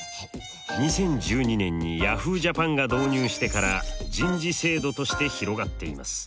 ２０１２年にヤフージャパンが導入してから人事制度として広がっています。